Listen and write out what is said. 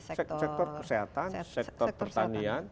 sektor kesehatan sektor pertanian